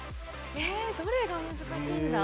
えっどれが難しいんだ？